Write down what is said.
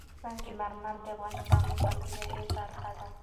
سنگ مرمر د افغانستان د سیلګرۍ برخه ده.